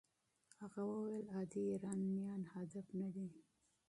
هغه وویل عادي ایرانیان هدف نه دي.